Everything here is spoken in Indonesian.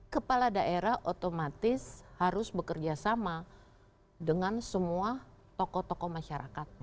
kepala daerah otomatis harus bekerja sama dengan semua tokoh tokoh masyarakat